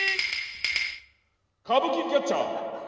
「歌舞伎キャッチャー。